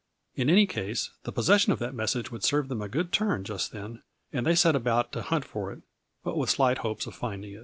In any case the posses sion of that message would serve them a good turn just then, and they set about to hunt for it, but with slight hopes of finding it.